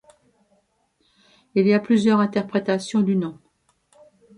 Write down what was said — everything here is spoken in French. Il y a plusieurs interprétations du nom.